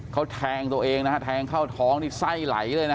เขาแทงตัวเองนะฮะแทงเข้าท้องนี่ไส้ไหลเลยนะ